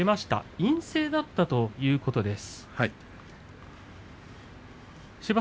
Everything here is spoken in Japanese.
陰性だったということです。